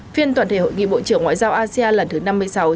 phiên toàn thể hội nghị bộ trưởng ngoại giao asean lần thứ năm mươi sáu